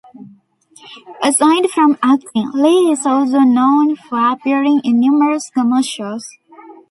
Aside from acting, Lee is also known for appearing in numerous commercials.